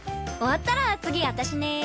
終わったら次私ね。